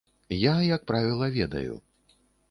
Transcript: Я, як правіла, ведаю.